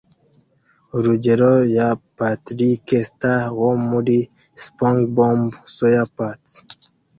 urugero ya Patrick Star wo muri SpongeBob SquarePants